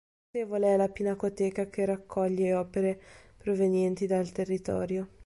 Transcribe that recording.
Notevole è la Pinacoteca, che raccoglie opere provenienti dal territorio.